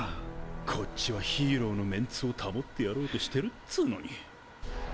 こっちはヒーローのメンツを保ってやろうとしてるっつうのに。